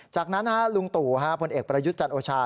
จากนั้นลุงตู่พลเอกประยุทธ์จันโอชา